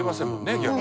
逆に。